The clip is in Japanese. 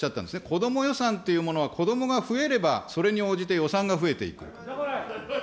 子ども予算というものは、子どもが増えればそれに応じて予算が増えていく。